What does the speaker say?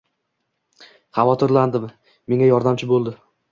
Xavotirlandim, menga yordamchi bo‘ldi.